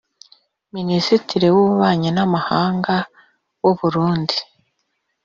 Minisitiri w’ububanyi n’amahanga w’u Burundi